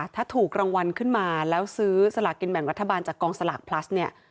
ถ้าถูกรางวัลขึ้นมาแล้วซื้อสลากกินแบ่งรัฐบาลจากกองสลากพลัสเนี่ย